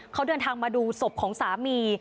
เขาเดินทางมาดูศพของสามี